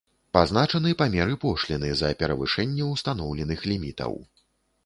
Пазначаны памеры пошліны за перавышэнне устаноўленых лімітаў.